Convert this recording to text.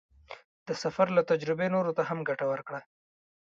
د سفر له تجربې نورو ته هم ګټه ورکړه.